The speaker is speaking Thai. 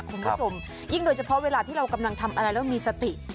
คุณผู้ชมยิ่งโดยเฉพาะเวลาที่เรากำลังทำอะไรแล้วมีสติ